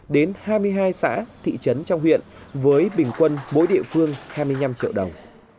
đến hai mươi hai xã thị trấn trong huyện với bình quân mỗi địa phương hai mươi năm triệu đồng